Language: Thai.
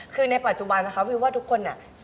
คือในปัจจุบันนะคะวิวว่าทุกคนน่ะ